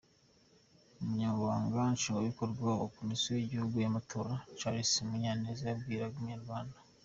Umunyamabanga nshingwabikorwa wa komisiyo y’igihugu y’amatora Charles Munyaneza yabwiye Umuryango.